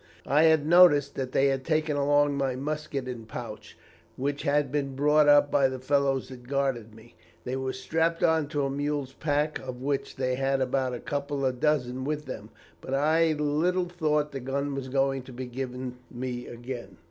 "I had noticed that they had taken along my musket and pouch, which had been brought up by the fellows that guarded me. They were strapped on to a mule's pack, of which they had about a couple of dozen with them, but I little thought the gun was going to be given me again.